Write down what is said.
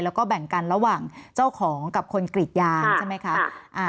แล้วก็แบ่งกันระหว่างเจ้าของกับคนกรีดยางใช่ไหมคะ